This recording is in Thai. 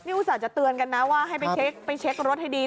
นี่อุตส่าห์จะเตือนกันนะว่าให้ไปเช็ครถให้ดี